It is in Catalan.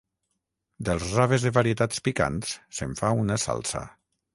Dels raves de varietats picants se'n fa una salsa.